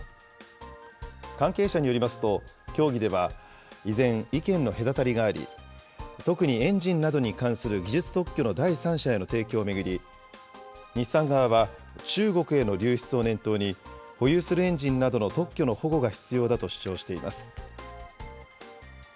関係者によりますと、協議では依然、意見の隔たりがあり、特にエンジンなどに関する技術特許の第三者への提供を巡り、日産側は、中国への流出を念頭に保有するエンジンなどの特許の保護が必要だと主張しています。